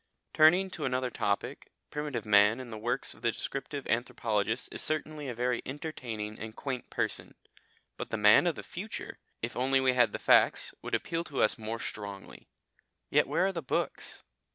Turning to another topic, primitive man in the works of the descriptive anthropologist is certainly a very entertaining and quaint person, but the man of the future, if we only had the facts, would appeal to us more strongly. Yet where are the books?